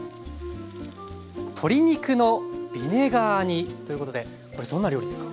鶏肉のビネガー煮ということでこれどんな料理ですか？